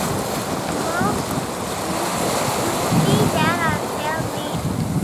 Provost duty there until May.